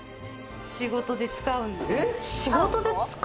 仕事で使うんです。